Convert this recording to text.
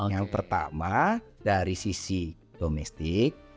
yang pertama dari sisi domestik